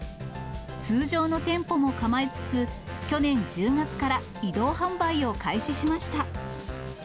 通常の店舗も構えつつ、去年１０月から移動販売を開始しました。